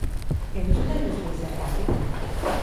Entzun nahi duzue zergatik?